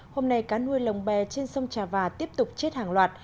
hôm nay cá nuôi lồng bè trên sông trà và tiếp tục chết hàng loạt